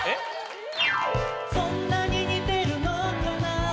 「そんなに似てるのかな」